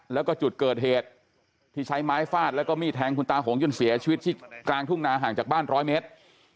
แล้วก็จุดเกิดเหตุที่ใช้ไม้ฟาดแล้วก็มีดแทงคุณตาหงจนเสียชีวิตที่กลางทุ่งนาห่างจากบ้านร้อยเมตร